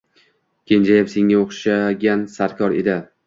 Kenjayam senga o‘xshagan sarkor edi.